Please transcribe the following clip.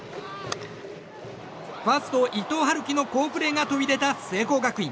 ファースト、伊藤遥喜の好プレーが飛び出た聖光学院。